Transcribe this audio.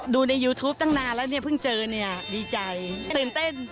ดูในยูทูปตั้งนานแล้วเนี่ยเพิ่งเจอเนี่ยดีใจตื่นเต้น